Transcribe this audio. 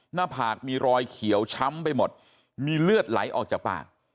หน้าผากมีรอยเขียวช้ำไปหมดมีเลือดไหลออกจากปาก